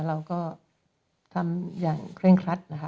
เราก็ทำอย่างเคร่งครัดนะคะ